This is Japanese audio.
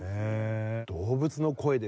動物の声で。